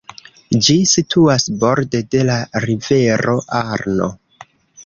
Ĝi situas borde de la rivero Arno.